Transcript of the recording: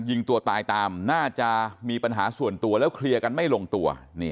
ยิงตัวตายตามน่าจะมีปัญหาส่วนตัวแล้วเคลียร์กันไม่ลงตัว